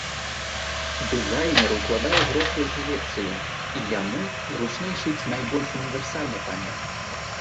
Дызайнер укладае грошы ў калекцыю, і яму зручней шыць найбольш універсальны памер.